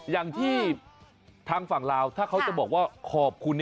อย่างที่ทางฝั่งลาวถ้าเขาจะบอกว่าขอบคุณ